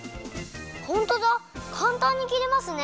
ホントだかんたんにきれますね！